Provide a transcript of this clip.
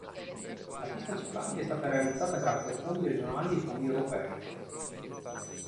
La pista ciclabile è stata realizzata grazie a fondi regionali e fondi europei.